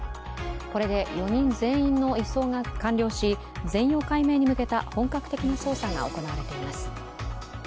これで４人全員の移送が完了し、全容解明に向けた本格的な捜査が行われています。